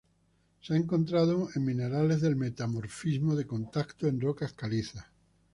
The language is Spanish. Se ha encontrado en minerales del metamorfismo de contacto en rocas calizas.